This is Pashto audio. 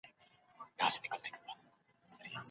چېرته خیرات وشو؟